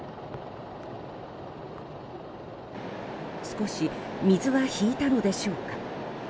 少し水は引いたのでしょうか。